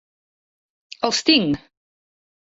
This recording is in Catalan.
Els tinc!